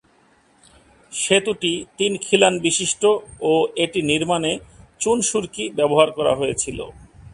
সেতুটি তিন খিলান বিশিষ্ট ও এটি নির্মাণে চুন-সুড়কি ব্যবহার করা হয়েছিল।